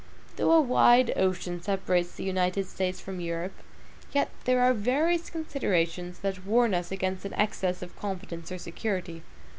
Though a wide ocean separates the United States from Europe, yet there are various considerations that warn us against an excess of confidence or security.